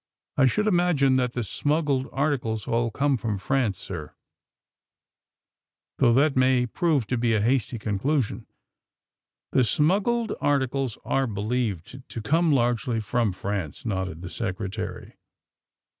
I should imagine that the smuggled ar ticles all come from France, sir, though that may prove to he a hasty conclusion. '' '*The smuggled articles are believed to come largely from France," nodded the Secretary.